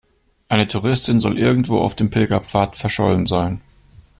Eine Touristin soll irgendwo auf dem Pilgerpfad verschollen sein.